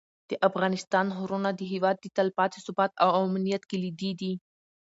د افغانستان غرونه د هېواد د تلپاتې ثبات او امنیت کلیدي دي.